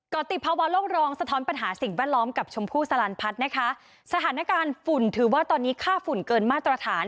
ก็ติดภาวะโลกร้องสะท้อนปัญหาสิ่งแวดล้อมกับชมพู่สลันพัฒน์นะคะสถานการณ์ฝุ่นถือว่าตอนนี้ค่าฝุ่นเกินมาตรฐาน